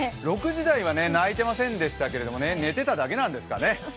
６時台は鳴いていませんでしたけれども、寝てただけなんですかね。